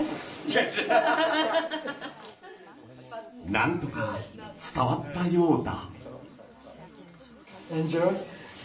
なんとか伝わったようだ。